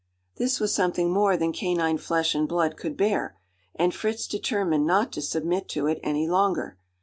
This was something more than canine flesh and blood could bear; and Fritz determined not to submit to it any longer.